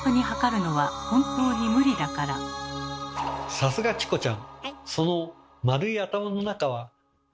さすがチコちゃん！